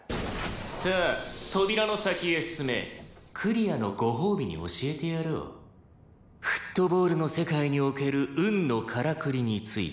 「さあ扉の先へ進め」「クリアのご褒美に教えてやろう」「フットボールの世界における運のカラクリについて」